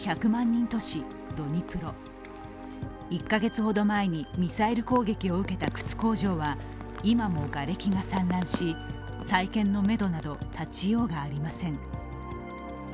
１カ月ほど前にミサイル攻撃を受けた靴工場は今もがれきが散乱し、再建のめどなど立ちようがありません。